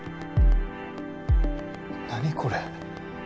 何これ。